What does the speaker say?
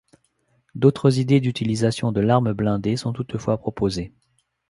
D'autres idées d'utilisation de l'arme blindée sont toutefois proposées.